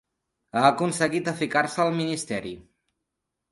Ha aconseguit de ficar-se al ministeri.